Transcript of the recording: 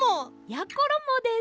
やころもです。